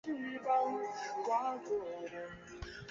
曾任台南市美术研究会会长。